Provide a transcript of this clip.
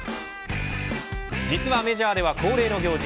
実はメジャーでは恒例の行事